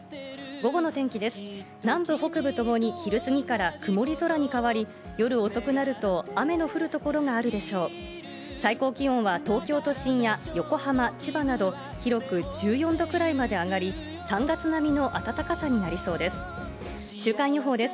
午後の天気です。